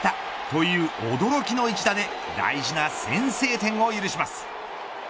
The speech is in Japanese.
という驚きの一打で大事な先制点を許します。